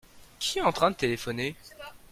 Qui est en train de téléphoner ?